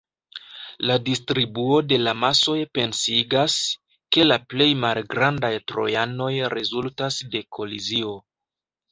La distribuo de la masoj pensigas, ke la plej malgrandaj trojanoj rezultas de kolizio.